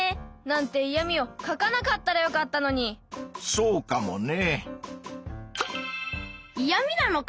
そうかもね。